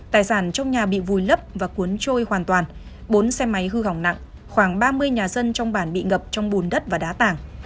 tài sản trong nhà bị vùi lấp và cuốn trôi hoàn toàn bốn xe máy hư hỏng nặng khoảng ba mươi nhà dân trong bản bị ngập trong bùn đất và đá tảng